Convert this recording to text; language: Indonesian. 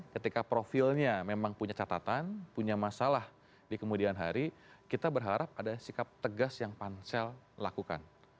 ketika profilnya memang punya catatan punya masalah di kemudian hari kita berharap ada sikap tegas yang pansel lakukan